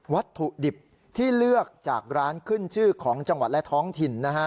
วัตถุดิบที่เลือกจากร้านขึ้นชื่อของจังหวัดและท้องถิ่นนะฮะ